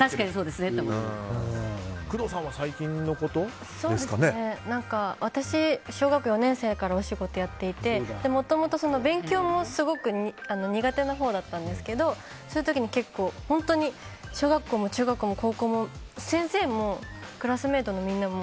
工藤さんは私、小学４年生からお仕事やっていてもともと勉強もすごく苦手なほうだったんですがそういう時、結構本当に小学校も中学校も高校も、先生もクラスメートのみんなも